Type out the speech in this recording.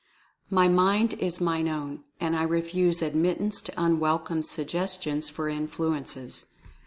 My Mind is mine own, and I refuse admittance to unwelcome sugges tions for influences.